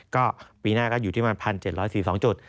ก็ปีหน้าก็อยู่ที่ประมาณ๑๗๔๒จุด